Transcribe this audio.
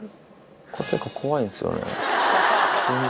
これ結構怖いんですよね。